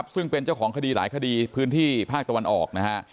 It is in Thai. ซึ่งเป็นเจ้าของคดีหลายคดีพื้นที่ภาคตะวันออกนะฮะ